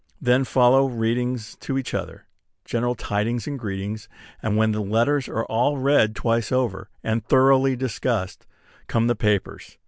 Then follow readings to each other, general tidings and greetings; and when the letters are all read twice over, and thoroughly discussed, come the papers.